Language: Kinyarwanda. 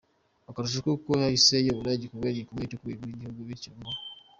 akarusho kuko yahise ayobora igikorwa gikomeye ku rwego rwigihugu bityo ngo.